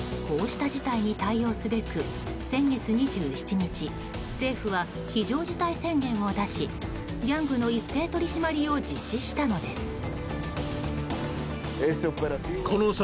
こうした事態に対応すべく先月２７日政府は非常事態宣言を出しギャングの一斉取り締まりを実施したのです。